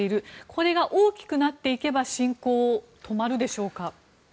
これが大きくなっていけば侵攻は止まるでしょうか。